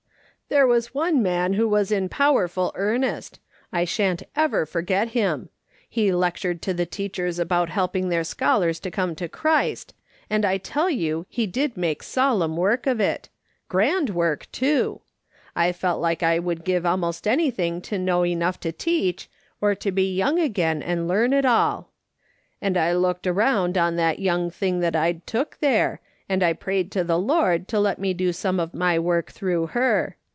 " There was one man who was in powerful earnest. I shan't ever forget him. He lectured to the teachers about helping their scholars to come to Christ, and I tell you he did make solemn work of it !— grand work, too. I felt like I would give almost anything to know enough to teach, or to be young again and learn it all. And I looked around on that young thing that I'd took there, and I prayed to the Lord to let me do some of my work through her.